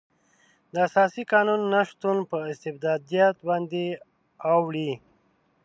د اساسي قانون نشتون په استبدادیت باندې اوړي.